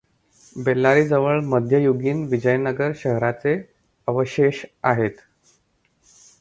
बेल्लारीजवळ मध्ययुगीन विजयनगर शहराचे अवशेष आहेत.